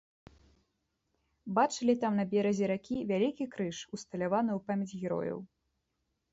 Бачылі там на беразе ракі вялікі крыж, усталяваны ў памяць герояў.